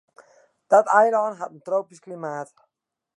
Dat eilân hat in tropysk klimaat.